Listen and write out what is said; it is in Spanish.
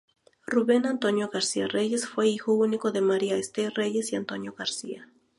Ruben Antonio García Reyes fue hijo único de María Esther Reyes y Antonio García.